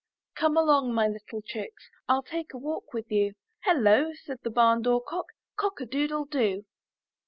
"Come along, my little chicks, ril take a walk with you. "Hello! said the barn door cock, "Cock a doodle do!